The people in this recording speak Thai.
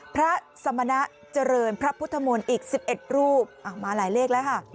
พระสมณะเจริญพระพุทธมนต์อีก๑๑รูปมาหลายเลขแล้วค่ะ